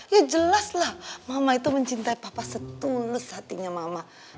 ya jelaslah mama itu mencintai papa setulus hatinya mama